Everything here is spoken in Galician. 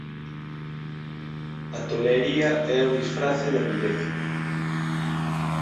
A tolería é o disfrace da vileza.